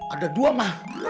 ada dua ma